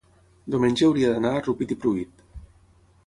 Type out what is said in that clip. diumenge hauria d'anar a Rupit i Pruit.